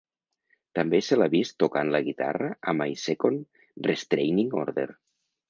També se l'ha vist tocant la guitarra a My Second Restraining Order.